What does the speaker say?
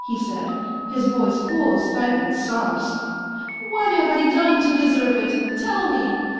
" he said, his voice full of stifled sobs. " What have I done to deserve it ? Tell me.